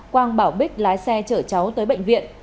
quang bảo bích lái xe chở cháu tới bệnh viện